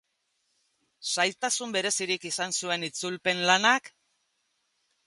Zailtasun berezirik izan zuen itzulpen lanak?